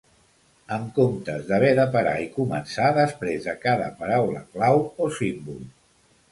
En comptes d'haver de parar i començar després de cada paraula clau o símbol.